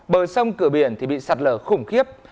bờ sông cửa biển thì bị sạt lở khủng khiếp